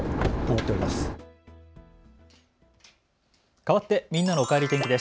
かわってみんなのおかえり天気です。